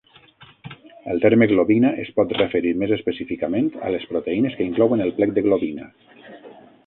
El terme globina es pot referir més específicament a les proteïnes que inclouen el plec de globina.